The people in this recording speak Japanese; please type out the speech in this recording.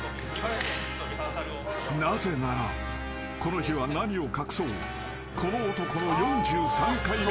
［なぜならこの日は何を隠そうこの男の］